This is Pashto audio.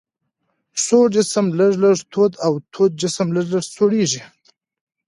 سوړ جسم لږ لږ تود او تود جسم لږ لږ سړیږي.